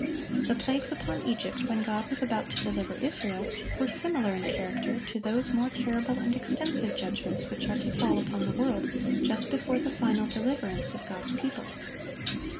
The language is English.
The plagues upon Egypt when God was about to deliver Israel, were similar in character to those more terrible and extensive judgments which are to fall upon the world just before the final deliverance of God's people.